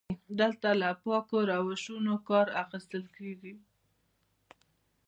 دلته له پاکو روشونو کار اخیستل کیږي.